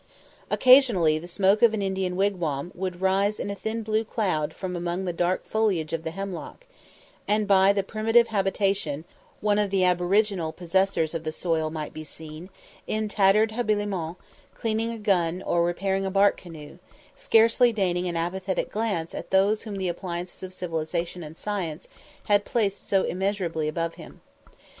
Occasionally the smoke of an Indian wigwam would rise in a thin blue cloud from among the dark foliage of the hemlock; and by the primitive habitation one of the aboriginal possessors of the soil might be seen, in tattered habiliments, cleaning a gun or repairing a bark canoe, scarcely deigning an apathetic glance at those whom the appliances of civilisation and science had placed so immeasurably above him.